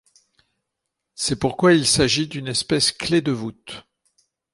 C'est pourquoi il s'agit d'une espèce clé de voûte.